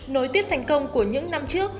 nối tiếp thành công của những năm trước